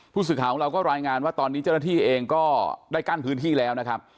ผู้สื่อข่าวของเราก็รายงานว่าตอนนี้เจ้าหน้าที่เองก็ได้กั้นพื้นที่แล้วนะครับ